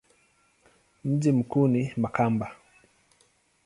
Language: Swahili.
Mji mkuu ni Makamba.